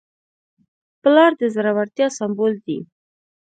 پلار د زړورتیا سمبول دی.